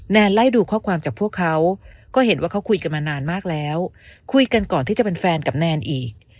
ไล่ดูข้อความจากพวกเขาก็เห็นว่าเขาคุยกันมานานมากแล้วคุยกันก่อนที่จะเป็นแฟนกับแนนอีก